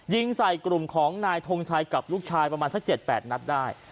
ยิงใส่กลุ่มของนายทงชัยกับลูกชายประมาณสัก๗๘นัดได้